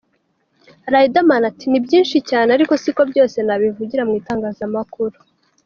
Riderman ati “Ni byinshi cyane ariko siko byose nabivugira mu itangazamakuru.